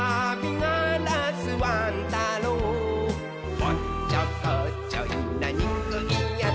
「おっちょこちょいなにくいやつ」